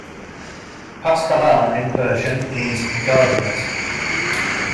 Pasdaran in Persian means "guardians".